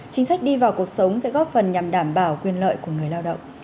chính sách đi vào cuộc sống sẽ góp phần nhằm đảm bảo quyền lợi của người lao động